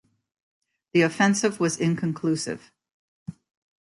The offensive was inconclusive.